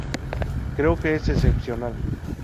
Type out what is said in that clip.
Creo que es excepcional.